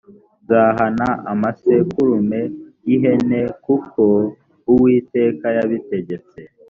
nzahana amasekurume y’ ihene kuko uwiteka yabitegetse